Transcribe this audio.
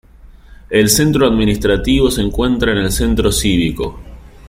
El centro administrativo se encuentra en el Centro Cívico.